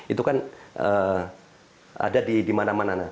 itu kan ada di mana mana